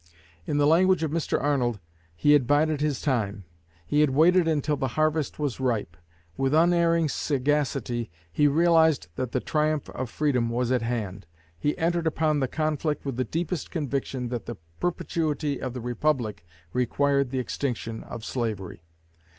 In the language of Mr. Arnold, "He had bided his time. He had waited until the harvest was ripe. With unerring sagacity he realized that the triumph of freedom was at hand. He entered upon the conflict with the deepest conviction that the perpetuity of the Republic required the extinction of slavery.